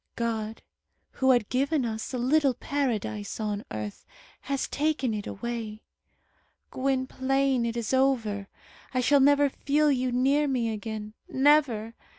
God, who had given us a little Paradise on earth, has taken it away. Gwynplaine, it is over. I shall never feel you near me again. Never!